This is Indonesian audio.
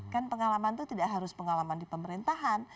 kan pengalaman itu tidak harus pengalaman di pemerintahan